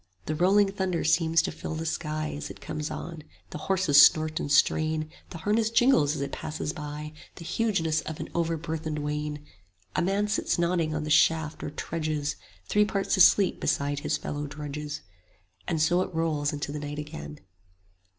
The rolling thunder seems to fill the sky As it comes on; the horses snort and strain, The harness jingles, as it passes by; 10 The hugeness of an overburthened wain: A man sits nodding on the shaft or trudges Three parts asleep beside his fellow drudges: And so it rolls into the night again.